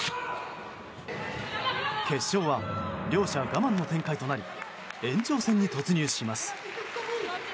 決勝は両者我慢の展開となり延長戦に突入します。